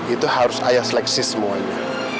itu harus ayah seleksi semuanya